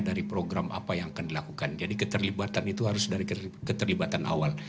dari program apa yang akan dilakukan jadi keterlibatan itu harus dari keterlibatan awal